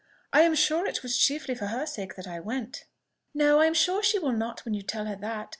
I am sure it was chiefly for her sake that I went." "No, I am sure she will not when you tell her that.